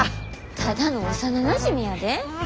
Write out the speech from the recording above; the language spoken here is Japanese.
ただの幼なじみやで。